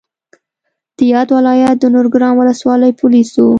د یاد ولایت د نورګرام ولسوالۍ پولیسو